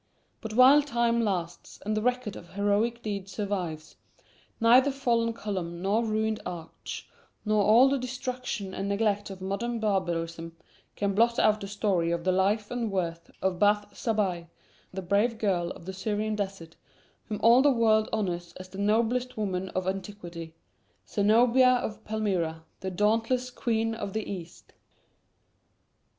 But while time lasts and the record of heroic deeds survives, neither fallen column nor ruined arch nor all the destruction and neglect of modern barbarism can blot out the story of the life and worth of Bath Zabbai, the brave girl of the Syrian desert, whom all the world honors as the noblest woman of antiquity Zenobia of Palmyra, the dauntless "Queen of the East."